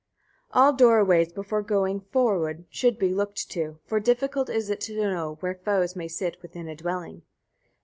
1. All door ways, before going forward, should be looked to; for difficult it is to know where foes may sit within a dwelling.